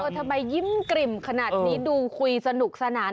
ทำไมยิ้มกลิ่มขนาดนี้ดูคุยสนุกสนาน